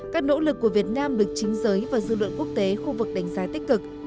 các nỗ lực của việt nam được chính giới và dư luận quốc tế khu vực đánh giá tích cực